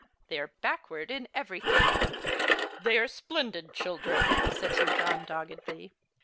They are backward in everything." "They are splendid children," said Sir John, doggedly.